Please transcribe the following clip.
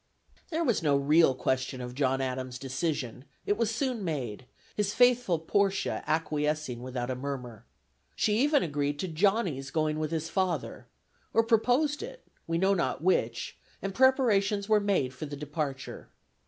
There was no real question of John Adams' decision: it was soon made, his faithful Portia acquiescing without a murmur. She even agreed to Johnny's going with his father or proposed it, we know not which; and preparations were made for the departure.